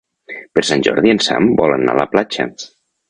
Per Sant Jordi en Sam vol anar a la platja.